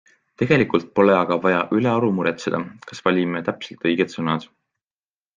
Tegelikult pole aga vaja ülearu muretseda, kas valime täpselt õiged sõnad.